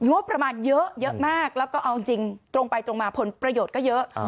งบประมาณเยอะมากแล้วก็เอาจริงตรงไปตรงมาผลประโยชน์ก็เยอะ